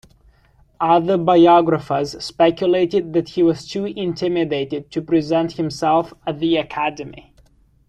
Other biographers speculated that he was too intimidated to present himself at the Academy.